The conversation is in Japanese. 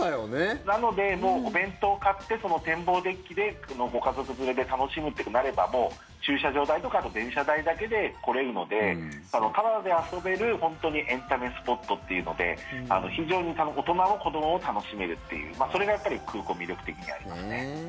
なので、お弁当を買ってその展望デッキでご家族連れで楽しむってなればもう駐車場代とか電車代だけで来れるのでタダで遊べる、本当にエンタメスポットっていうので非常に大人も子どもも楽しめるっていうそれがやっぱり空港、魅力的にはありますね。